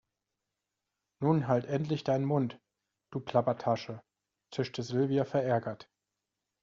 Nun halt endlich deinen Mund, du Plappertasche, zischte Silvia verärgert.